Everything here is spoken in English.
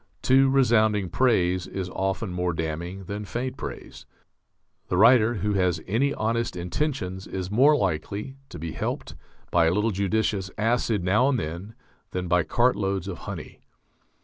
Too resounding praise is often more damning than faint praise. The writer who has any honest intentions is more likely to be helped by a little judicious acid now and then than by cartloads of honey.